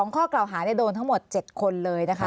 ข้อกล่าวหาโดนทั้งหมด๗คนเลยนะคะ